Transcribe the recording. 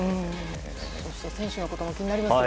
そして選手のことも気になりますよね。